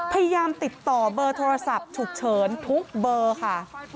พยายามติดต่อเบอร์โทรศัพท์ฉุกเฉินทุกเบอร์ค่ะ